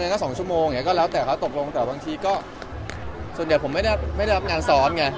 เราก็ทำไปเรื่อยแล้วเราก็อยู่กับแฟนคับ